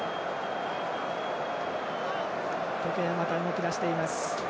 時計が動き出しています。